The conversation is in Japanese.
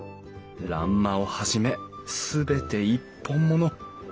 欄間をはじめ全て一本もの。